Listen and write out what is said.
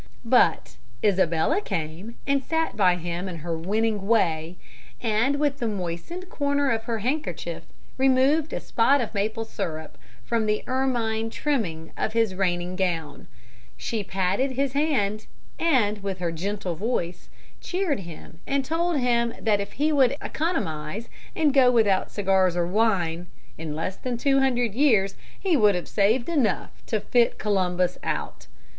[Illustration: COLUMBUS AT COURT.] But Isabella came and sat by him in her winning way, and with the moistened corner of her handkerchief removed a spot of maple syrup from the ermine trimming of his reigning gown. She patted his hand, and, with her gentle voice, cheered him and told him that if he would economize and go without cigars or wine, in less than two hundred years he would have saved enough to fit Columbus out.